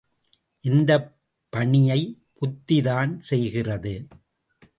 இந்தப் பணியை புத்திதான் செய்கிறது.